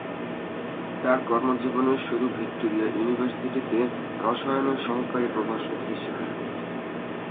তার কর্মজীবনের শুরু ভিক্টোরিয়া ইউনিভার্সিটিতে রসায়নের সহকারী প্রভাষক হিসেবে।